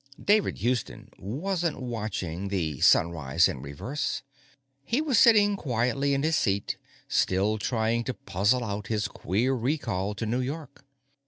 David Houston wasn't watching the sunrise in reverse; he was sitting quietly in his seat, still trying to puzzle out his queer recall to New York.